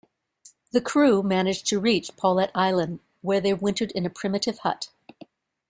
The crew managed to reach Paulet Island where they wintered in a primitive hut.